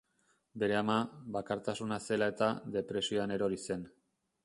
Bere ama, bakartasuna zela eta, depresioan erori zen.